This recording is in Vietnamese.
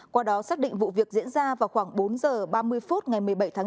qua đó xác định vụ việc diễn ra vào khoảng bốn h ba mươi phút ngày một mươi bảy tháng bốn